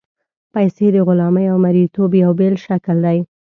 پیسې د غلامۍ او مرییتوب یو بېل شکل دی.